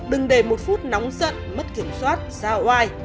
đừng để một phút nóng giận mất kiểm soát xa oai